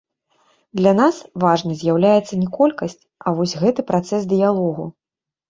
Для нас важнай з'яўляецца не колькасць, а вось гэты працэс дыялогу.